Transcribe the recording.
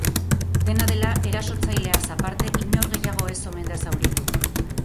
Dena dela, erasotzaileaz aparte, inor gehiago ez omen da zauritu.